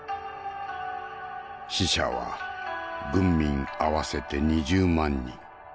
死者は軍民合わせて２０万人。